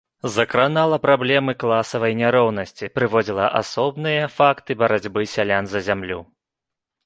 Закранала праблемы класавай няроўнасці, прыводзіла асобныя факты барацьбы сялян за зямлю.